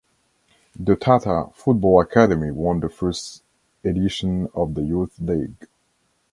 The Tata Football Academy won the first edition of the youth league.